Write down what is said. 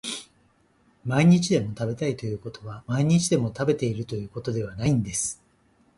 毎日でも食べたいということは毎日でも食べているということではないです